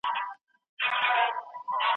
د خلګو ژوند مخ په ښه کیدو و.